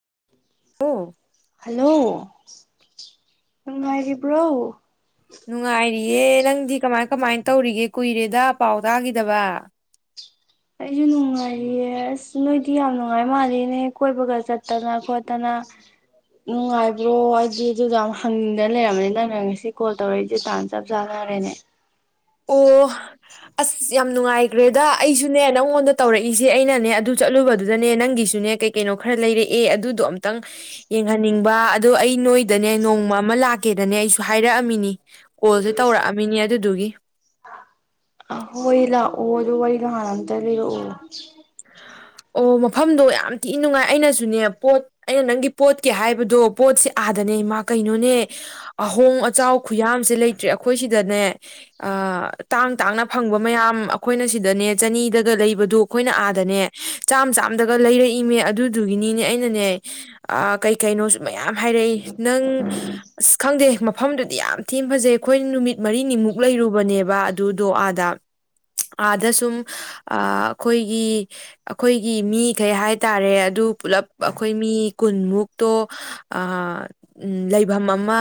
[inaudible] [inaudible] hello ꯅꯪ ꯅꯨꯡꯉꯥꯏꯔꯤꯕ꯭ꯔꯣ ꯅꯨꯡꯉꯥꯏꯔꯤꯌꯦ ꯅꯪꯗꯤ ꯀꯃꯥꯏ ꯀꯃꯥꯏ ꯇꯧꯔꯤꯒꯦ ꯀꯨꯏꯔꯦꯗ ꯄꯥꯎ ꯇꯥꯈꯤꯗꯕ ꯑꯩꯁꯨ ꯅꯨꯡꯉꯥꯏꯔꯤꯌꯦ ꯑꯁ ꯅꯣꯏꯗꯤ ꯌꯥꯝ ꯅꯨꯡꯉꯥꯏ ꯃꯥꯜꯂꯤꯅꯦ ꯀꯣꯏꯕꯒ ꯆꯠꯇꯅ ꯈꯣꯠꯇꯅ ꯅꯨꯡꯉꯥꯏꯕ꯭ꯔꯣ ꯍꯥꯏꯗꯤ ꯑꯗꯨꯗ ꯌꯥꯝ ꯍꯪꯅꯤꯡꯗꯅ ꯂꯩꯔꯝꯕꯅꯤ ꯅꯪꯅ ꯉꯁꯤ ꯀꯣꯜ ꯇꯧꯔꯛꯏꯁꯦ ꯇꯥꯟꯅ ꯆꯞ ꯆꯥꯅꯔꯦꯅꯦ ꯑꯣ ꯑꯁ ꯌꯥꯝ ꯅꯨꯡꯉꯥꯏꯈ꯭ꯔꯦꯗ ꯑꯩꯁꯨꯅꯦ ꯅꯪꯉꯣꯟꯗ ꯇꯧꯔꯛꯏꯁꯦ ꯑꯩꯅꯅꯦ ꯑꯗꯨ ꯆꯠꯂꯨꯕꯗꯨꯗꯅꯦ ꯅꯪꯒꯤꯁꯨꯅꯦ ꯀꯩ ꯀꯩꯅꯣ ꯈꯔ ꯂꯩꯔꯛꯑꯦ ꯑꯗꯨꯗꯣ ꯑꯃꯨꯇꯪ ꯌꯦꯡꯍꯟꯅꯤꯡꯕ ꯑꯗ ꯑꯩ ꯅꯣꯏꯗꯅꯦ ꯅꯣꯡꯃ ꯑꯃ ꯂꯥꯛꯀꯦꯗꯅꯦ ꯑꯩꯁꯨ ꯍꯥꯏꯔꯛꯑꯝꯃꯤꯅꯤ ꯀꯣꯜꯁꯦ ꯇꯧꯔꯛꯑꯃꯤꯅꯦ ꯑꯗꯨꯗꯨꯒꯤ ꯑ‌ꯍꯣꯏ ꯂꯥꯛꯑꯣ ꯑꯣ ꯃꯐꯝꯗꯣ ꯌꯥꯝ ꯊꯤꯅ ꯅꯨꯡꯉꯥꯏ ꯑꯩꯅꯁꯨꯅꯦ ꯄꯣꯠ ꯑꯩꯅ ꯅꯪꯒꯤ ꯄꯣꯠꯀꯤ ꯍꯥꯏꯕꯗꯣ ꯄꯣꯠꯁꯦ ꯑꯥꯗꯅꯦ ꯏꯃꯥ ꯀꯩꯅꯣꯅꯦ ꯑꯍꯣꯡ ꯑꯆꯥꯎ ꯈꯨꯌꯥꯝꯁꯦ ꯂꯩꯇ꯭ꯔꯦ ꯑꯩꯈꯣꯏ ꯁꯤꯗꯅꯦ ꯇꯥꯡ ꯇꯥꯡꯅ ꯐꯪꯕ ꯃꯌꯥꯝ ꯑꯩꯈꯣꯏꯅ ꯁꯤꯗꯅꯦ ꯆꯅꯤꯗꯒ ꯂꯩꯕꯗ ꯑꯩꯈꯣꯏꯅ ꯑꯥꯗꯅꯦ ꯆꯥꯝ ꯆꯥꯝꯗꯒ ꯂꯩꯔꯛꯏꯃꯦ ꯑꯗꯨꯗꯨꯒꯤꯅꯤꯅꯦ ꯑꯩꯅꯅꯦ ꯑ ꯀꯩ ꯀꯩꯅꯣꯁꯨ ꯃꯌꯥꯝ ꯍꯥꯏꯔꯛꯏ ꯅꯪ ꯑꯁ ꯈꯪꯗꯦ ꯃꯐꯝꯗꯨꯗꯤ ꯌꯥꯝ ꯊꯤꯅ ꯐꯖꯩ ꯑꯩꯈꯣꯏ ꯅꯨꯃꯤꯠ ꯃꯔꯤꯅꯤꯃꯨꯛ ꯂꯩꯔꯨꯕꯅꯦꯕ ꯑꯗꯨꯗꯣ ꯑꯥꯗ ꯑꯥꯗ ꯁꯨꯝ ꯑ ꯑꯩꯈꯣꯏꯒꯤ ꯑꯩꯈꯣꯏꯒꯤ ꯃꯤꯈꯩ ꯍꯥꯏꯇꯥꯔꯦ ꯑꯗꯨ ꯄꯨꯂꯞ ꯑꯩꯈꯣꯏ ꯃꯤ ꯀꯨꯟꯃꯨꯛꯇꯣ ꯂꯩꯐꯝ ꯑꯃ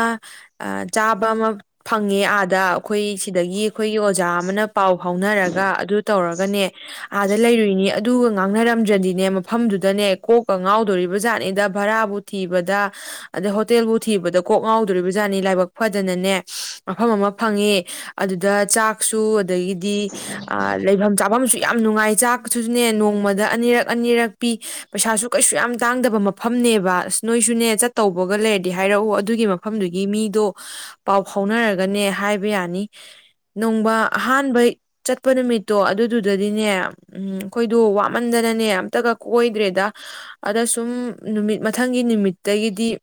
ꯆꯥꯕ ꯑꯃ ꯐꯪꯉꯦ ꯑꯥꯗ ꯑꯩꯈꯣꯏ ꯁꯤꯗꯒꯤ ꯑꯩꯈꯣꯏꯒꯤ ꯑꯣꯖꯥ ꯑꯃꯅ ꯄꯥꯎ ꯐꯥꯎꯅꯔꯒ ꯑꯗꯨ ꯇꯧꯔꯒꯅꯦ ꯑꯥꯗ ꯂꯩꯔꯨꯏꯅꯤ ꯑꯗꯨꯒ ꯉꯥꯡꯅꯔꯝꯗ꯭ꯔꯗꯤꯅꯦ ꯃꯐꯝꯗꯨꯗꯅꯦ ꯀꯣꯛꯀ ꯉꯥꯎꯗꯣꯔꯤꯕ ꯖꯥꯠꯅꯤꯗ ꯚꯔꯥꯕꯨ ꯊꯤꯕꯗ ꯑꯗꯩ ꯍꯣꯇꯦꯜꯕꯨ ꯊꯤꯕꯗ ꯀꯣꯛ ꯉꯥꯎꯗꯣꯔꯤꯕꯖꯥꯠꯅꯤ ꯂꯥꯏꯕꯛ ꯐꯗꯅꯅꯦ ꯃꯐꯝ ꯑꯃ ꯐꯪꯉꯦ ꯑꯗꯨꯗ ꯆꯥꯛꯁꯨ ꯑꯗꯒꯤꯗꯤ ꯂꯩꯐꯝ ꯆꯥꯐꯝꯁꯨ ꯌꯥꯝ ꯅꯨꯡꯉꯥꯏ ꯆꯥꯛꯁꯨ ꯑꯗꯨꯨꯅꯦ ꯅꯣꯡꯃꯗ ꯑꯅꯤꯔꯛ ꯑꯅꯤꯔꯛ ꯄꯤ ꯄꯩꯁꯥꯁꯨ ꯀꯩꯁꯨ ꯌꯥꯝ ꯇꯥꯡꯗꯕ ꯃꯐꯝꯅꯦꯕ ꯑꯁ ꯅꯣꯏꯁꯨꯅꯦ ꯆꯠꯇꯧꯕꯒ ꯂꯩꯔꯗꯤ ꯍꯥꯏꯔꯛꯎ ꯑꯗꯨꯒꯤ ꯃꯐꯝꯗꯨꯒꯤ ꯃꯤꯗꯣ ꯄꯥꯎ ꯐꯥꯎꯅꯔꯒꯅꯦ ꯍꯥꯏꯕ ꯌꯥꯅꯤ ꯅꯣꯡꯃ ꯑꯍꯥꯟꯕ ꯆꯠꯄ ꯅꯨꯃꯤꯠꯇꯣ ꯑꯗꯨꯗꯨꯗꯗꯤꯅꯦ ꯎꯝ ꯑꯩꯈꯣꯏꯗꯣ ꯋꯥꯃꯟꯗꯅꯅꯦ ꯑꯝꯇꯒ ꯀꯣꯏꯗ꯭ꯔꯦꯗ ꯑꯗ ꯁꯨꯝ ꯅꯨꯃꯤꯠ ꯃꯊꯪꯒꯤ ꯅꯨꯃꯤꯠ ꯑꯗꯒꯤꯗꯤ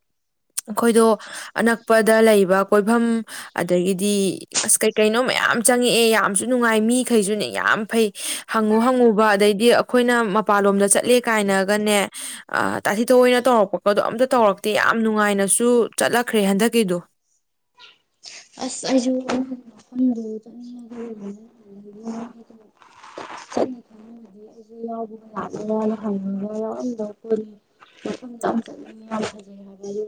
ꯑꯩꯈꯣꯏꯗꯣ ꯑꯅꯛꯄꯗ ꯂꯩꯕ ꯀꯣꯏꯐꯝ ꯑꯗꯒꯤꯗꯤ ꯑꯁ ꯀꯩ ꯀꯩꯅꯣ ꯃꯌꯥꯝ ꯆꯪꯉꯛꯑꯦ ꯌꯥꯝꯁꯨ ꯅꯨꯡꯉꯥꯏ ꯃꯤꯈꯩꯁꯨꯅꯦ ꯌꯥꯝ ꯐꯩ ꯍꯪꯉꯨ ꯍꯪꯉꯨ ꯑꯗ ꯑꯩꯈꯣꯏꯅ ꯃꯄꯥꯟꯂꯣꯝꯗ ꯆꯠ ꯆꯠꯂꯦ ꯀꯥꯏꯅꯒꯅꯦ ꯇꯥꯊꯤꯊꯣꯛꯑꯣꯏ ꯑꯣꯏꯅ ꯇꯧꯔꯛꯄꯒꯗꯣ ꯑꯝꯇ ꯇꯧꯔꯛꯇꯦ ꯌꯥꯝ ꯅꯨꯡꯉꯥꯏꯅꯁꯨ ꯆꯠꯂꯛꯈ꯭ꯔꯦ ꯍꯟꯗꯛꯀꯤꯗꯣ ꯑꯁ ꯑꯩꯁꯨ ꯃꯐꯝꯗ ꯆꯠꯅꯤꯡꯉꯒꯅ ꯆꯠꯅ ꯈꯗꯤ ꯑꯩꯁꯨ ꯌꯥꯎꯕꯒ ꯂꯥꯛꯄꯒꯅ ꯍꯪꯉꯒ ꯌꯥꯎꯔꯝꯗ ꯀꯣꯂ ꯃꯐꯝꯗ ꯌꯥꯝ ꯆꯠꯅꯤꯡꯉꯦ ꯌꯥꯝ ꯐꯖꯩ ꯍꯥꯏꯕ ꯑꯗꯨ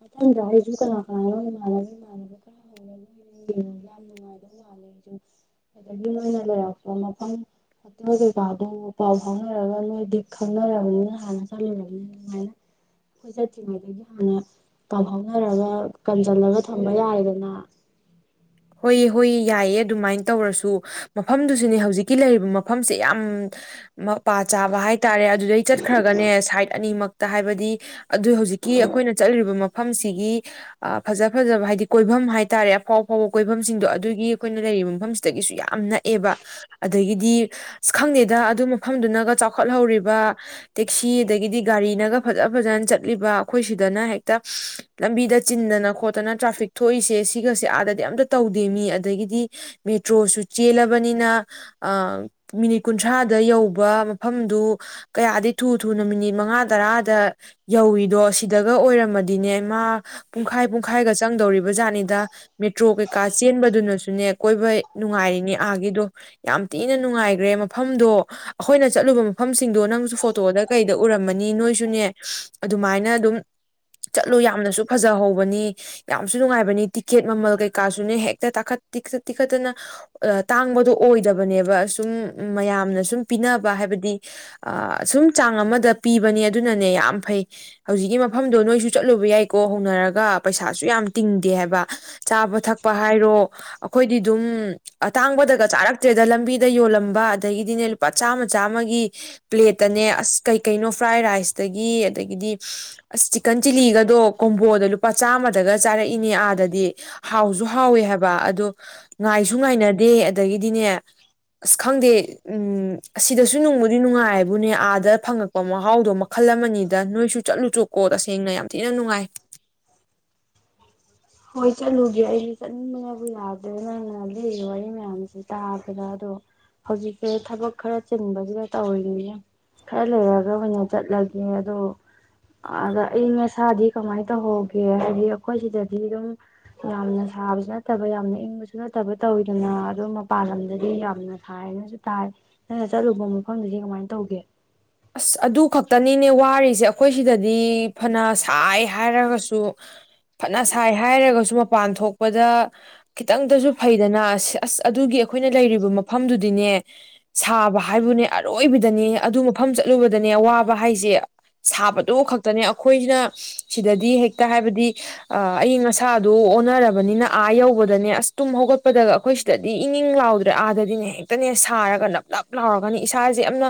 ꯃꯊꯪꯗ ꯑꯩꯁꯨ ꯀꯅꯥ ꯀꯅꯥꯅꯣꯏ ꯃꯥꯟꯂꯔꯣꯏ ꯏꯃꯥꯟꯂꯒ ꯈꯔ ꯍꯧꯉꯦ ꯅꯣꯏꯒꯤꯅ ꯌꯥꯝ ꯅꯨꯡꯉꯥꯏꯗꯧ ꯃꯥꯜꯂꯦꯁꯨ ꯑꯗꯒꯤ ꯅꯣꯏꯅ ꯂꯩꯔꯛꯄ ꯃꯐꯝ ꯑꯇ ꯀꯩꯀꯥꯗꯨ ꯄꯥꯎ ꯐꯥꯎꯅꯔꯒ ꯅꯣꯏꯗꯤ ꯈꯪꯅꯔꯕꯅꯤꯅ ꯍꯥꯟꯅ ꯆꯠꯂꯨꯔꯕꯅꯤꯅ ꯑꯗꯨꯃꯥꯏꯅ ꯑꯩꯈꯣꯏ ꯆꯠꯇ꯭ꯔꯤꯉꯩꯗꯒꯤ ꯍꯥꯟꯅ ꯄꯥꯎ ꯐꯥꯎꯅꯔꯒ ꯀꯟꯁꯤꯜꯂꯒ ꯊꯝꯕ ꯌꯥꯔꯗ ꯃꯥ ꯍꯣꯏ ꯍꯣꯏ ꯌꯥꯏꯌꯦ ꯑꯗꯨꯃꯥꯏꯅ ꯇꯧꯔꯁꯨ ꯃꯐꯝꯗꯨꯁꯨꯅꯦ ꯍꯧꯖꯤꯛꯀꯤ ꯂꯩꯔꯤꯕ ꯃꯐꯝꯁꯦ ꯌꯥꯝ ꯃ ꯄꯥ ꯆꯥꯕ ꯍꯥꯏꯔꯦ ꯍꯥꯏꯇꯥꯔꯦ ꯑꯗꯨꯗꯩ ꯆꯠꯈ꯭ꯔꯒꯅꯦ ꯁꯥꯏꯠ ꯑꯅꯤꯃꯛ ꯇ ꯍꯥꯏꯕꯗꯤ ꯑꯗꯨ ꯍꯧꯖꯤꯛꯀꯤ ꯑꯩꯈꯣꯏꯅ ꯆꯠꯂꯤꯕ ꯃꯐꯝꯁꯤꯒꯤ ꯐꯖ ꯐꯖꯕ ꯍꯥꯏꯗꯤ ꯀꯣꯏꯐꯝ ꯍꯥꯏꯇꯥꯔꯦ ꯑꯐꯥꯎ ꯑꯐꯥꯎꯕ ꯀꯣꯏꯐꯝꯁꯤꯡꯗꯣ ꯑꯗꯨꯒꯤ ꯑꯩꯈꯣꯏꯅ ꯂꯩꯔꯤꯕ ꯃꯐꯝꯁꯤꯗꯒꯤꯁꯨ ꯌꯥꯝ ꯅꯛꯑꯦꯕ ꯑꯗꯒꯤꯗꯤ ꯑ ꯈꯪꯗꯦꯗ ꯑꯗꯨ ꯃꯐꯝꯗꯨꯅꯒ ꯆꯥꯎꯈꯠꯍꯧꯔꯤꯕ ꯇꯦꯛꯁꯤ ꯑꯗꯒꯤꯗꯤ ꯒꯥꯔꯤꯅꯒ ꯐꯖ ꯐꯖꯅ ꯆꯠꯂꯤꯕ ꯑꯩꯈꯣꯏ ꯁꯤꯗꯅ ꯍꯦꯛꯇ ꯂꯝꯕꯤꯗ ꯆꯤꯟꯗꯅ ꯈꯣꯠꯇꯅ ꯇ꯭ꯔꯥꯐꯤꯛ ꯊꯣꯛꯏꯁꯦ ꯁꯤꯒꯁꯦ ꯑꯥꯗꯗꯤ ꯑꯝꯇ ꯇꯧꯗꯦ ꯃꯤ ꯑꯗꯒꯤꯗꯤ ꯃꯦꯇ꯭ꯔꯣꯁꯨ ꯆꯦꯜꯂꯕꯅꯤꯅ ꯃꯤꯅꯤꯠ ꯀꯨꯟꯊ꯭ꯔꯥꯗ ꯌꯧꯕ ꯃꯐꯝꯗꯨ ꯀꯌꯥꯗꯤ ꯊꯨ ꯊꯨꯅ ꯃꯤꯅꯤꯠ ꯃꯉꯥ ꯇꯔꯥꯗ ꯌꯧꯏꯗꯣ ꯁꯤꯗꯒ ꯑꯣꯏꯔꯝꯃꯗꯤꯅꯦ ꯃꯥ ꯄꯨꯡꯈꯥꯏ ꯄꯨꯡꯈꯥꯏꯒ ꯆꯪꯗꯧꯔꯤꯕ ꯖꯥꯠꯅꯤꯗ ꯃꯦꯇ꯭ꯔꯣ ꯀꯥ ꯆꯦꯟꯕꯗꯨꯅꯁꯨꯅꯦ ꯀꯣꯏꯕ ꯅꯨꯡꯉꯥꯏꯔꯤꯅꯦ ꯑꯥꯒꯤꯗꯣ ꯌꯥꯝ ꯊꯤꯅ ꯅꯨꯡꯉꯥꯏꯈ꯭ꯔꯦ ꯃꯐꯝꯗꯣ ꯑꯩꯈꯣꯏꯅ ꯆꯠꯂꯨꯕ ꯃꯐꯝꯁꯤꯡꯗꯣ ꯅꯪꯁꯨ ꯐꯣꯇꯣꯗ ꯀꯩꯗ ꯎꯔꯝꯃꯅꯤ ꯅꯣꯏꯁꯨꯅꯦ ꯑꯗꯨꯃꯥꯏꯅ ꯑꯗꯨꯝ ꯆꯠꯂꯨ ꯌꯥꯝꯅꯁꯨ ꯐꯖꯍꯧꯕꯅꯤ ꯌꯥꯝꯁꯨ ꯅꯨꯡꯉꯥꯏꯕꯅꯤ ꯇꯤꯛꯀꯦꯠ ꯃꯃꯜ ꯀꯩ ꯀꯀꯥꯁꯨꯅꯦ ꯍꯦꯛꯇ ꯇꯥꯈꯠ ꯇꯤꯈꯠ ꯇꯤꯛꯈꯠꯇꯅ ꯇꯥꯡꯕꯗꯣ ꯑꯣꯏꯗꯕꯅꯦꯕ ꯁꯨꯝ ꯃꯌꯥꯝꯅ ꯁꯨꯝ ꯄꯤꯅꯕ ꯍꯥꯏꯕꯗꯤ ꯁꯨꯝ ꯆꯥꯡ ꯑꯃꯗ ꯄꯤꯕꯅꯦ ꯑꯗꯨꯅꯅꯦ ꯌꯥꯝ ꯐꯩ ꯍꯧꯖꯤꯛꯀꯤ ꯃꯐꯝꯗꯣ ꯅꯣꯏꯁꯨ ꯆꯠꯂꯨꯕ ꯌꯥꯏꯀꯣ ꯍꯧꯅꯔꯒ ꯄꯩꯁꯥꯁꯨ ꯌꯥꯝ ꯇꯤꯡꯗꯦ ꯍꯥꯏꯕ ꯆꯥꯕ ꯊꯛꯄ ꯍꯥꯏꯔꯣ ꯑꯩꯈꯣꯏꯗꯤ ꯑꯗꯨꯝ ꯑꯇꯥꯡꯕꯗꯒ ꯆꯥꯔꯛꯇ꯭ꯔꯦꯗ ꯂꯝꯕꯤꯗ ꯌꯣꯜꯂꯝꯕ ꯑꯗꯒꯤꯗꯤꯅꯦ ꯂꯨꯄꯥ ꯆꯥꯝꯃ ꯆꯥꯝꯃꯒꯤ ꯄ꯭ꯂꯦꯠꯇꯅꯦ ꯑꯁ ꯀꯩꯀꯩꯅꯣ ꯐ꯭ꯔꯥꯏ ꯔꯥꯏꯁꯇꯒꯤ ꯑꯗꯒꯤꯗꯤ ꯑꯁ ꯆꯤꯛꯀꯟ ꯆꯤꯂꯤꯒꯗꯣ ꯀꯣꯝꯕꯣꯗ ꯂꯨꯄꯥ ꯆꯥꯝꯃꯗꯒ ꯆꯥꯔꯛꯏꯅꯦ ꯑꯥꯗꯗꯤ ꯍꯥꯎꯁꯨ ꯍꯥꯎꯋꯦ ꯍꯥꯏꯕ ꯑꯗꯣ ꯉꯥꯏꯁꯨ ꯉꯥꯏꯅꯗꯦ ꯑꯗꯒꯤꯗꯤꯅꯦ ꯑꯁ ꯈꯪꯗꯦ ꯎꯝ ꯑꯁꯤꯗꯁꯨ ꯅꯨꯡꯕꯨꯗꯤ ꯅꯨꯡꯉꯥꯏꯕꯨꯅꯦ ꯑꯥꯗ ꯐꯪꯉꯛꯄ ꯃꯍꯥꯎꯗꯣ ꯃꯈꯜ ꯑꯃꯅꯤꯗ ꯅꯣꯏꯁꯨ ꯆꯠꯂꯨꯁꯨ꯭ꯔꯀꯣ ꯇꯁꯦꯡꯅ ꯌꯥꯝ ꯊꯤꯅ ꯅꯨꯡꯉꯥꯏ ꯍꯣꯏ ꯆꯠꯂꯨꯒꯦ ꯑꯩꯗꯤ ꯆꯠꯅꯤꯡꯕꯅꯕꯨ ꯌꯥꯗ꯭ꯔꯦ ꯅ ꯑꯩꯅ ꯂꯤ ꯋꯥꯔꯤ ꯃꯌꯥꯝꯁꯦ ꯇꯥꯕꯗ ꯑꯗꯣ ꯍꯧꯖꯤꯛꯁꯦ ꯊꯕꯛ ꯈꯔ ꯆꯤꯟꯕꯁꯤꯗ ꯇꯧꯔꯤꯅꯤ ꯈꯔ ꯂꯩꯔꯒ ꯑꯣꯏꯅ ꯆꯠꯂꯒꯦ ꯑꯗꯣ ꯑꯗ ꯑꯌ ꯑꯁꯥꯗꯤ ꯀꯃꯥꯏꯅ ꯇꯧꯍꯧꯒꯦ ꯍꯥꯏꯕꯗꯤ ꯑꯩꯈꯣꯏ ꯁꯤꯗ ꯗꯤ ꯑꯗꯨꯝ ꯌꯥꯝꯅ ꯁꯥꯕꯁꯨ ꯅꯠꯇꯕ ꯌꯥꯝꯅ ꯏꯪꯕꯁꯨ ꯅꯠꯇꯕ ꯇꯧꯋꯤꯗꯅ ꯑꯗꯨꯝ ꯃꯄꯥꯟ ꯂꯝꯗꯗꯤ ꯌꯥꯝꯅ ꯊꯥꯏꯅꯁꯨ ꯇꯥꯏ ꯅꯪꯅ ꯆꯠꯂꯨꯕ ꯃꯐꯝꯗꯨꯗꯤ ꯀꯃꯥꯏꯅ ꯇꯧꯒꯦ ꯑꯁ ꯑꯗꯨ ꯈꯛꯇꯅꯤꯅꯦ ꯋꯥꯔꯤꯁꯦ ꯑꯩꯈꯣꯏ ꯁꯤꯗꯗꯤ ꯐꯅ ꯁꯥꯏ ꯍꯥꯏꯔꯒꯁꯨ ꯐꯅ ꯁꯥꯏ ꯍꯥꯏꯔꯒꯁꯨ ꯃꯄꯥꯟ ꯊꯣꯛꯄꯗ ꯈꯤꯇꯪꯗꯁꯨ ꯐꯩꯗꯅ ꯑꯁ ꯑꯁ ꯑꯗꯨꯒꯤ ꯑꯩꯈꯣꯏꯅ ꯂꯩꯔꯤꯕ ꯃꯐꯝꯗꯨꯗꯤꯅꯦ ꯁꯥꯕ ꯍꯥꯏꯕꯨꯅꯦ ꯑꯔꯣꯏꯕꯤꯗꯅꯦ ꯑꯗꯨ ꯃꯐꯝ ꯆꯠꯂꯨꯕꯗꯅꯦ ꯑꯋꯥꯕ ꯍꯥꯏꯁꯦ ꯁꯥꯕꯗꯨ ꯈꯛꯇꯅꯦ ꯑꯩꯈꯣꯏꯅ ꯁꯤꯗꯗꯤ ꯍꯦꯛꯇ ꯍꯥꯏꯕꯗꯤ ꯑꯏꯪ ꯑꯁꯥꯗꯨ ꯑꯣꯟꯅꯔꯕꯅꯤꯅ ꯑꯥ ꯌꯧꯕꯗꯅꯦ ꯑꯁ ꯇꯨꯝ ꯍꯧꯒꯠꯄꯗꯒ ꯑꯩꯈꯣꯏ ꯁꯤꯗꯗꯤ ꯏꯪ ꯏꯪ ꯂꯥꯎꯗ꯭ꯔꯦ ꯑꯥꯗꯗꯤꯅꯦ ꯍꯦꯛꯇꯅꯦ ꯁꯥꯔꯒ ꯅꯞ ꯂꯞ ꯂꯥꯎꯔꯒꯅꯤ ꯏꯁꯥꯁꯦ ꯌꯥꯝꯅ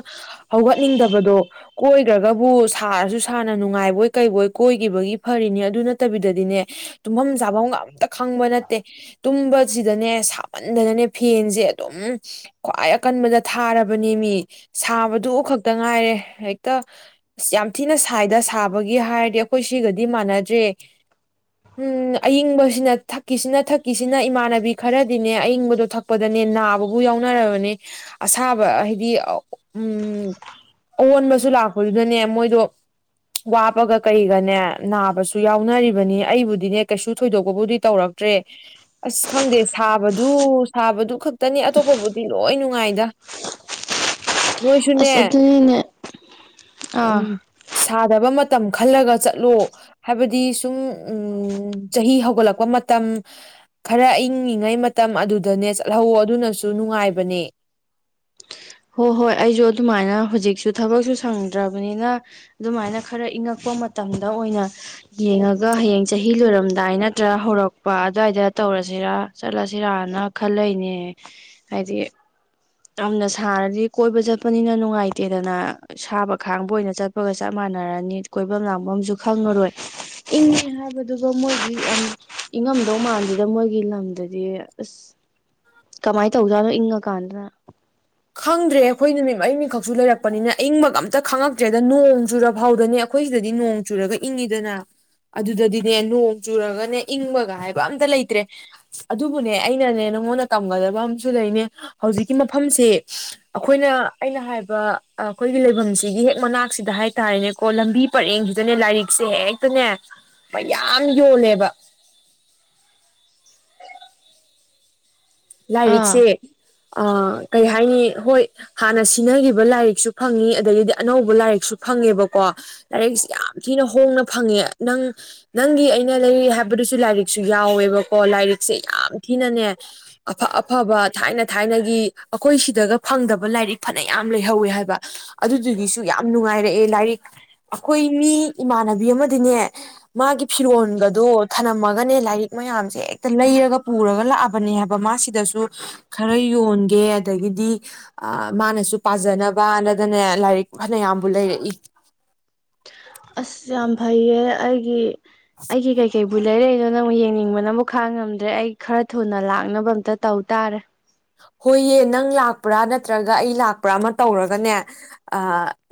ꯍꯧꯒꯠꯅꯤꯡꯗꯕꯗꯣ ꯀꯣꯏꯈ꯭ꯔꯒꯕꯨ ꯁꯥꯔꯁꯨ ꯁꯥꯅ ꯅꯨꯡꯉꯥꯏꯕꯣꯏ ꯀꯩꯕꯣꯏ ꯀꯣꯏꯈꯤꯕꯒꯤ ꯐꯔꯤꯅꯦ ꯑꯗꯨ ꯅꯠꯇꯕꯤꯗꯗꯤꯅꯦ ꯇꯨꯝꯐꯝ ꯆꯥꯐꯝ ꯑꯝꯇ ꯈꯪꯕ ꯅꯠꯇꯦ ꯇꯨꯝꯕꯁꯤꯗꯅꯦ ꯁꯥꯃꯟꯗꯅꯅꯦ ꯐꯦꯟꯁꯦ ꯑꯗꯨꯝ ꯈ꯭ꯋꯥꯏ ꯑꯀꯟꯕꯗ ꯊꯥꯔꯕꯅꯦ ꯃꯤ ꯁꯥꯕꯗꯨ ꯈꯛꯇ ꯉꯥꯏꯔꯦ ꯍꯦꯛꯇ ꯑꯁ ꯌꯥꯝ ꯊꯤꯅ ꯁꯥꯏꯗ ꯁꯥꯕꯒꯤ ꯍꯥꯏꯔꯗꯤ ꯑꯩꯈꯣꯏ ꯁꯤꯒꯗꯤ ꯃꯥꯟꯅꯗ꯭ꯔꯦ ꯎꯝ ꯑꯌꯤꯡꯕꯁꯤꯅ ꯊꯛꯀꯤꯁꯤꯅ ꯊꯛꯀꯤꯁꯤꯅ ꯏꯃꯥꯟꯅꯕꯤ ꯈꯔꯗꯤꯅꯦ ꯑꯌꯤꯡꯕꯗꯣ ꯊꯛꯄꯗꯅꯦ ꯅꯥꯕꯕꯨ ꯌꯥꯎꯅꯔꯕꯅꯦ ꯑꯁꯥꯕ ꯍꯥꯏꯗꯤ ꯎ ꯑꯣꯣꯟꯕꯁꯨ ꯂꯥꯛꯄꯗꯨꯗꯅꯦ ꯃꯣꯏꯗꯣ ꯋꯥꯄꯒ ꯀꯩꯒꯅꯦ ꯅꯥꯕꯁꯨ ꯌꯥꯎꯅꯔꯤꯕꯅꯤ ꯑꯩꯕꯨꯗꯤꯅꯦ ꯀꯩꯁꯨ ꯊꯣꯏꯗꯣꯛꯄꯕꯨꯗꯤ ꯇꯧꯔꯛꯇ꯭ꯔꯦ ꯑꯁ ꯈꯪꯗꯦ ꯁꯥꯕꯗꯨ ꯁꯥꯕꯗꯨ ꯈꯛꯇꯅꯤ ꯑꯇꯣꯞꯄꯕꯨꯗꯤ ꯂꯣꯏ ꯅꯨꯡꯉꯥꯏꯗ ꯑꯁ ꯅꯣꯏꯁꯨꯅꯦ ꯑꯗꯨꯅꯤꯅꯦ ꯑꯥ ꯎꯝ ꯁꯥꯗꯕ ꯃꯇꯝ ꯈꯜꯂꯒ ꯆꯠꯂꯣ ꯍꯥꯏꯕꯗꯤ ꯁꯨꯝ ꯆꯍꯤ ꯍꯧꯒꯠꯂꯛꯄ ꯃꯇꯝ ꯈꯔ ꯏꯏꯪꯤꯉꯩ ꯃꯇꯝ ꯑꯗꯨꯗꯅꯦ ꯆꯠꯍꯧꯋ ꯑꯗꯨꯅꯁꯨ ꯅꯨꯡꯉꯥꯏꯕꯅꯦ ꯍꯣꯏ ꯍꯣꯏ ꯑꯩꯁꯨ ꯑꯗꯨꯃꯥꯏꯅ ꯍꯧꯖꯤꯛꯁꯨ ꯊꯕꯛꯁꯨ ꯁꯪꯗ꯭ꯔꯕꯅꯤꯅ ꯑꯗꯨꯃꯥꯏꯅ ꯈꯔ ꯏꯪꯉꯛꯄ ꯃꯇꯝꯗ ꯑꯣꯏꯅ ꯌꯦꯡꯉꯒ ꯍꯌꯦꯡ ꯆꯍꯤ ꯂꯣꯏꯔꯝꯗꯥꯏ ꯅꯠꯇ꯭ꯔꯒ ꯍꯧꯔꯛꯄ ꯑꯗꯨꯋꯥꯏꯗ ꯇꯧꯔꯁꯤꯔꯥ ꯆꯠꯂꯁꯤꯔꯅ ꯈꯜꯂꯅꯦ ꯍꯥꯏꯗꯤ ꯌꯥꯝꯅ ꯁꯥꯔꯗꯤ ꯀꯣꯏꯕ ꯆꯠꯄꯅꯤꯅ ꯅꯨꯡꯉꯥꯏꯇꯦꯗꯅ ꯁꯥꯕ ꯈꯥꯡꯕ ꯑꯣꯏꯅ ꯆꯠꯄꯒ ꯆꯞ ꯃꯥꯟꯅꯔꯅꯤ ꯀꯣꯏꯐꯝ ꯂꯥꯡꯐꯝꯁꯨ ꯈꯪꯉꯔꯣꯏ ꯏꯪꯉꯦ ꯍꯥꯏꯕꯗꯨꯒ ꯃꯣꯏꯒꯤ ꯏꯪꯉꯝꯗꯧ ꯃꯥꯟꯁꯤꯗ ꯃꯣꯏꯒꯤ ꯂꯝꯗꯗꯤ ꯑꯁ ꯀꯃꯥꯏꯅ ꯇꯧꯗꯥꯅꯣ ꯏꯪꯉꯀꯥꯟꯗꯅ ꯈꯪꯗ꯭ꯔꯦ ꯑꯩꯈꯣꯏꯅꯅꯦ ꯑꯩ ꯃꯤ ꯈ ꯁꯨ ꯂꯩꯔꯛꯄꯅꯤꯅ ꯏꯪꯕꯒ ꯑꯝꯇ ꯈꯪꯉꯛꯇ꯭ꯔꯦꯗ ꯅꯣꯡ ꯆꯨꯨꯔꯐꯥꯎꯗꯅꯦ ꯑꯩꯈꯣꯏ ꯁꯤꯗꯗꯤ ꯅꯣꯡ ꯆꯨꯔꯒ ꯏꯪꯉꯤꯗꯅ ꯑꯗꯨꯗꯗꯤꯅꯦ ꯅꯣꯡ ꯆꯨꯔꯒꯅꯦ ꯏꯪꯕꯒ ꯍꯥꯏꯕ ꯑꯝꯇ ꯂꯩꯇ꯭ꯔꯦ ꯑꯗꯨꯕꯨꯅꯦ ꯑꯩꯅꯅꯦ ꯅꯉꯣꯟꯗ ꯇꯝꯒꯗꯕ ꯑꯝꯨ ꯂꯩꯅꯦ ꯍꯧꯖꯤꯛꯀꯤ ꯃꯐꯝꯁꯦ ꯑꯩꯈꯣꯏꯅ ꯑꯩꯅ ꯍꯥꯏꯕ ꯑꯩꯈꯣꯏꯒꯤ ꯂꯩꯐꯝꯁꯤꯒꯤ ꯍꯦꯛ ꯃꯅꯥꯛꯁꯤꯗ ꯍꯥꯏꯇꯥꯔꯦꯅꯦꯀꯣ ꯂꯝꯕꯤ ꯄꯔꯦꯡꯁꯤꯗꯅꯦ ꯂꯥꯏꯔꯤꯛꯁꯦ ꯍꯦꯛꯇꯅꯦ ꯃꯌꯥꯝ ꯌꯣꯜꯂꯦꯕ ꯑꯥ ꯂꯥꯏꯔꯤꯛꯁꯦ ꯀꯔꯤ ꯍꯥꯏꯅꯤ ꯍꯣꯏ ꯍꯥꯟꯅ ꯁꯤꯟꯅꯈꯤꯕ ꯂꯥꯏꯔꯤꯛꯁꯨ ꯐꯪꯉꯤ ꯑꯗꯒꯤꯗꯤ ꯑꯅꯧꯕ ꯂꯥꯏꯔꯤꯛꯁꯨ ꯐꯪꯉꯦꯕꯀꯣ ꯂꯥꯏꯔꯤꯛꯁꯦ ꯌꯥꯝ ꯊꯤꯅ ꯍꯣꯡꯅ ꯐꯪꯉꯦ ꯅꯪ ꯅꯪꯒꯤ ꯑꯩꯅ ꯂꯩꯔꯤ ꯍꯥꯏꯕꯗꯨꯁꯨ ꯂꯥꯏꯔꯤꯛꯁꯨ ꯌꯥꯎꯋꯦꯕꯀꯣ ꯂꯥꯏꯔꯤꯛꯁꯦ ꯌꯥꯝ ꯊꯤꯅꯅꯦ ꯑꯐ ꯑꯐꯕ ꯊꯥꯏꯅ ꯊꯥꯏꯅꯒꯤ ꯑꯩꯈꯣꯏ ꯁꯤꯗꯒ ꯐꯪꯗꯕ ꯂꯥꯏꯔꯤꯛ ꯐꯅ ꯌꯥꯝ ꯂꯩꯍꯧꯋꯦ ꯍꯥꯏꯕ ꯑꯗꯨꯗꯨꯒꯤꯁꯨ ꯌꯥꯝ ꯅꯨꯡꯉꯥꯏꯔꯛꯑꯦ ꯂꯥꯏꯔꯤꯛ ꯑꯩꯈꯣꯏ ꯃꯤ ꯏꯃꯥꯟꯅꯕꯤ ꯑꯃꯗꯤꯅꯦ ꯃꯥꯒꯤ ꯐꯤꯔꯣꯟꯒꯗꯣ ꯊꯝꯂꯝꯝꯃꯒꯅꯦ ꯂꯥꯏꯔꯤꯛ ꯃꯌꯥꯝꯁꯦ ꯍꯦꯛꯇ ꯂꯩꯔꯒ ꯄꯨꯔꯒ ꯂꯥꯛꯑꯕꯅꯦ ꯍꯥꯏꯕ ꯃꯥꯁꯤꯗꯁꯨ ꯈꯔ ꯌꯣꯟꯒꯦ ꯑꯗꯒꯤꯗꯤ ꯃꯥꯅꯁꯨ ꯄꯥꯖꯅꯕ ꯅꯗꯅꯦ ꯂꯥꯏꯔꯤꯛ ꯐꯅꯌꯥꯝꯕꯨ ꯂꯩꯔꯛꯏ ꯑꯁ ꯌꯥꯝ ꯐꯩꯌꯦ ꯑꯩꯒꯤ ꯑꯩ ꯀ ꯀꯥꯏ ꯀ ꯕꯨ ꯂꯩꯔꯛꯏꯅꯣ ꯅꯪ ꯌꯦꯡꯅꯤꯡꯕꯅꯕꯨ ꯈꯥꯡ ꯉꯝꯗ꯭ꯔꯦ ꯑꯩ ꯈꯔ ꯊꯨꯅ ꯂꯥꯛꯅꯕ ꯑꯝꯇ ꯇꯧ ꯇꯥꯔꯦ ꯍꯣꯏꯌꯦ ꯅꯪ ꯂꯥꯛꯄ꯭ꯔꯥ ꯅꯠꯇ꯭ꯔꯒ ꯑꯩ ꯂꯥꯛꯄ꯭ꯔꯥ ꯑꯃ ꯇꯧꯔꯒꯅꯦ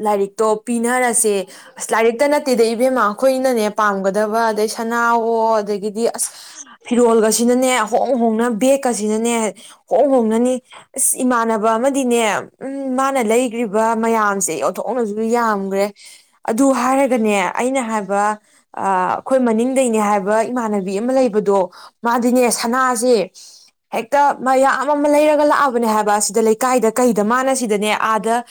ꯂꯥꯏꯔꯤꯛꯇꯣ ꯄꯤꯅꯔꯁꯦ ꯑꯁ ꯂꯥꯏꯔꯤꯛꯇ ꯅꯠꯇꯦꯗ ꯏꯕꯦꯝꯃ ꯑꯩꯈꯣꯏꯅꯅꯦ ꯄꯥꯝꯒꯗꯕ ꯑꯗꯩ ꯁꯅꯥꯋꯣ ꯑꯗꯒꯤꯗꯤ ꯑꯁ ꯐꯤꯔꯣꯜꯒꯁꯤꯅꯅꯦ ꯍꯣꯡ ꯍꯣꯡꯅ ꯕꯦꯛꯀꯁꯤꯅꯅꯦ ꯍ ꯣꯡꯅꯅꯤ ꯑꯁ ꯏꯃꯥꯟꯅꯕ ꯑꯃꯗꯤꯅꯦ ꯎ ꯃꯥꯅ ꯂꯩꯈ꯭ꯔꯤꯕ ꯃꯌꯥꯝꯁꯦ ꯌꯟꯊꯣꯛꯅꯁꯨ ꯌꯥꯝꯈ꯭ꯔꯦ ꯑꯗꯨ ꯍꯥꯏꯔꯒꯅꯦ ꯑꯩꯅ ꯍꯥꯏꯕ ꯑꯩꯈꯣꯏ ꯃꯅꯤꯡꯗꯅꯦ ꯍꯥꯏꯕ ꯏꯃꯥꯟꯅꯕꯤ ꯑꯃ ꯂꯩꯕꯗꯣ ꯃꯥꯗꯤꯅꯦ ꯁꯅꯥꯁꯦ ꯍꯦꯛꯇ ꯃ ꯃꯌꯥꯝ ꯑꯃ ꯂꯩꯔꯒ ꯂꯥꯛꯑꯕꯅꯦ ꯍꯥꯏꯕ ꯑꯁꯤꯗ ꯂꯩꯀꯥꯏꯗ ꯀꯩꯗ ꯃꯥꯅ ꯁꯤꯗꯅꯦ ꯑꯥꯗ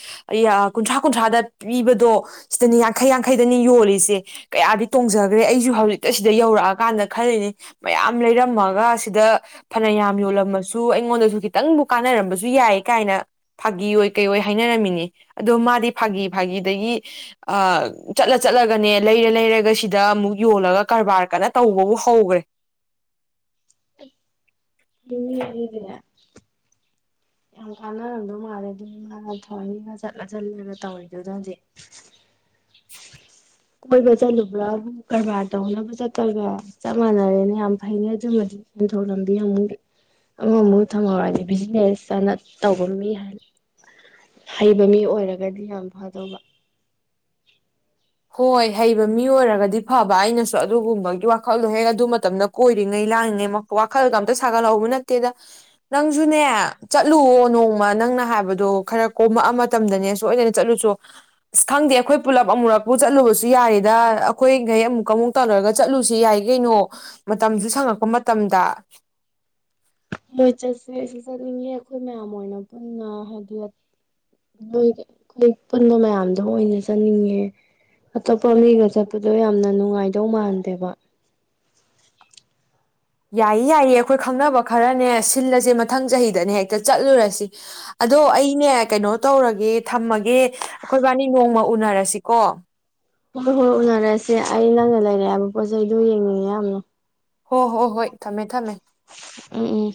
ꯀꯨꯟꯊ꯭ꯔꯥ ꯀꯨꯟꯊ꯭ꯔꯥꯗ ꯄꯤꯕꯗꯣ ꯁꯤꯗꯅꯤ ꯌꯥꯡꯈꯩ ꯌꯥꯡꯈꯩꯗꯅꯤ ꯌꯣꯜꯂꯤꯁꯦ ꯀꯌꯥꯗꯤ ꯇꯣꯡꯖꯈ꯭ꯔꯦ ꯑꯩꯁꯨ ꯍꯧꯖꯤꯛꯇ ꯁꯤꯗ ꯌꯧꯔꯛꯑꯀꯥꯟꯗ ꯈꯜꯂꯤꯅꯤ ꯃꯌꯥꯝ ꯂꯩꯔꯝꯃꯒ ꯁꯤꯗ ꯐꯅꯌꯥꯝ ꯌꯣꯜꯂꯝꯃꯁꯨ ꯑꯩꯉꯣꯟꯗ ꯁꯨ ꯈꯤꯇꯪꯕꯨ ꯀꯥꯅꯔꯝꯕꯁꯨ ꯌꯥꯏ ꯀꯥꯏꯅ ꯐꯥꯒꯤ ꯑꯣꯏ ꯀꯩ ꯑꯣꯏ ꯍꯥꯏꯅꯔꯝꯃꯤꯅꯤ ꯑꯗꯣ ꯃꯥꯗꯤ ꯐꯥꯒꯤ ꯐꯥꯒꯤꯗꯒꯤ ꯆꯠꯂ ꯆꯠꯂꯒꯅꯦ ꯂꯩꯔ ꯂꯩꯔꯒ ꯁꯤꯗ ꯑꯃꯨꯛ ꯌꯣꯜꯂꯒ ꯀꯔꯕꯥꯔ ꯀꯟꯅ ꯇꯧꯕꯕꯨ ꯍꯧꯈ꯭ꯔꯦ ꯃꯤ ꯍꯒꯗꯅ ꯌꯥꯝ ꯀꯥꯟꯅꯔꯝꯗꯧ ꯃꯥꯜꯂꯦ ꯑꯗꯨꯗꯤ ꯃꯥꯅ ꯊꯧꯅꯤꯒ ꯆꯠꯂ ꯆꯠꯂꯒ ꯇꯧꯋꯗꯨꯗꯗꯤ ꯀꯣꯏꯕ ꯆꯠꯂꯨꯕ꯭ꯔꯥꯕꯨ ꯀꯔꯕꯥꯔ ꯇꯧꯅꯕ ꯆꯠꯄꯒ ꯆꯞ ꯃꯥꯟꯅꯔꯦꯅꯦ ꯌꯥꯝ ꯐꯩꯅꯦ ꯑꯗꯨꯃꯗꯤ ꯁꯦꯟꯊꯣꯛ ꯂꯝꯕꯤ ꯑꯃꯨꯛ ꯑꯃꯨꯛꯃꯨꯛ ꯊꯝꯍꯧꯔꯗꯤ ꯕꯤꯖꯤꯅꯦꯁ ꯆꯥꯅ ꯇꯧꯕ ꯃꯤ ꯍꯩꯕ ꯃꯤ ꯑꯣꯏꯔꯒꯗꯤ ꯌꯥꯝ ꯐꯗꯧꯕ ꯍꯣꯏ ꯍꯩꯕ ꯃꯤ ꯑꯣꯏꯔꯒꯗꯤ ꯐꯕ ꯑꯩꯅꯁꯨ ꯑꯗꯨꯒꯨꯝꯕꯒꯤ ꯋꯥꯈꯜꯗꯣ ꯍꯦꯛ ꯑꯗꯨ ꯃꯇꯝꯗ ꯀꯣꯏꯔꯤꯉꯩ ꯂꯥꯡꯂꯤꯉꯩ ꯋꯥꯈꯜꯒ ꯑꯝꯇ ꯁꯥꯒꯠꯍꯧꯕ ꯅꯠꯇꯦꯗ ꯅꯪꯁꯨꯅꯦ ꯆꯠꯂꯨꯑꯣ ꯅꯣꯡꯃ ꯅꯪꯅ ꯍꯥꯏꯕꯗꯣ ꯈꯔ ꯀꯣꯝꯃꯛꯑ ꯃꯇꯝꯗꯅꯦ ꯁꯣꯏꯗꯅ ꯆꯠꯂꯨꯁꯨ ꯑꯁ ꯈꯪꯗꯦ ꯑꯩꯈꯣꯏ ꯄꯨꯜꯂꯞ ꯑꯃꯨꯔꯛ ꯄꯨ ꯆꯠꯂꯨꯕꯁꯨ ꯌꯥꯔꯤꯦꯗ ꯑꯩꯈꯣꯏꯈꯩ ꯑꯃꯨꯛꯀ ꯑꯃꯨꯛ ꯇꯧꯅꯔꯒ ꯆꯠꯂꯨꯁꯤ ꯌꯥꯏ ꯀꯩꯅꯣ ꯃꯇꯝꯁꯨ ꯁꯪꯉꯛꯄ ꯃꯇꯝꯗ ꯃꯣꯏ ꯆꯠꯁꯦ ꯑꯩꯁꯨ ꯆꯠꯅꯤꯡꯉꯦ ꯑꯩꯈꯣꯏ ꯃꯌꯥꯝ ꯑꯣꯏꯅ ꯄꯨꯟꯅ ꯍꯥꯏꯗꯤ ꯅꯣꯏ ꯑꯩꯈꯣꯏ ꯄꯨꯟꯕ ꯃꯌꯥꯝꯗꯣ ꯑꯣꯏꯅ ꯆꯠꯅꯤꯡꯉꯦ ꯑꯇꯣꯞꯄ ꯃꯤꯒ ꯆꯠꯄꯗꯣ ꯌꯥꯝꯅ ꯅꯨꯡꯉꯥꯏꯗꯧ ꯃꯥꯟꯗꯦꯕ ꯌꯥꯏꯌꯦ ꯌꯥꯏꯌꯦ ꯑꯩꯈꯣꯏ ꯈꯪꯅꯕ ꯈꯔꯅꯦ ꯁꯤꯜꯂꯁꯦ ꯃꯊꯪ ꯆꯍꯤꯗꯅꯦ ꯍꯦꯛꯇ ꯆꯠꯂꯨꯔꯁꯤ ꯑꯗꯣ ꯑꯩꯅꯦ ꯀꯩꯅꯣ ꯇꯧꯔꯒꯦ ꯊꯝꯃꯒꯦ ꯑꯩꯈꯣꯏꯕꯥꯅꯤ ꯅꯣꯡꯃ ꯎꯅꯔꯁꯤꯀꯣ ꯍꯣꯏ ꯍꯣꯏ ꯎꯅꯔꯁꯦ ꯑꯩ ꯅꯪꯅ ꯂꯩꯔꯑꯦꯕ ꯄꯣꯠ ꯆꯩꯗꯨꯣ ꯌꯦꯡꯅꯤꯡꯉꯦ ꯌꯥꯝꯅꯨ ꯍꯣ ꯍꯣ ꯍꯣꯏ ꯊꯝꯃꯦ ꯊꯝꯃꯦ ꯎꯝ ꯎꯝ